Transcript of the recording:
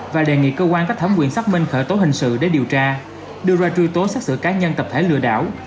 và đề nghị cơ quan có thẩm quyền xác minh khởi tố hình sự để điều tra đưa ra truy tố xác xử cá nhân tập thể lừa đảo